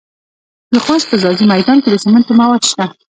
د خوست په ځاځي میدان کې د سمنټو مواد شته.